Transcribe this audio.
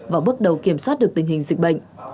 và bước đầu kiểm soát được tình hình dịch bệnh